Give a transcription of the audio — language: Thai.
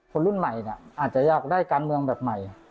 คนรุ่นใหม่เนี่ยอาจจะอยากได้การเมืองแบบใหม่